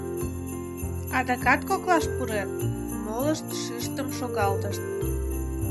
— Адакат коклаш пурет? — молышт шӱштым шогалтышт.